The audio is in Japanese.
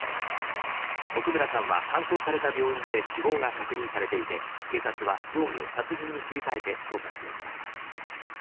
奥村さんは搬送された病院で死亡が確認されていて、警察は容疑を殺人に切り替えて捜査しています。